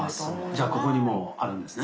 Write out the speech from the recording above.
じゃあここにもあるんですね。